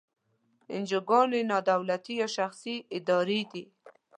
انجوګانې نا دولتي یا شخصي ادارې دي.